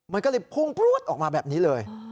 มันก็เลยพุ่งพลวดออกมาแบบนี้เลย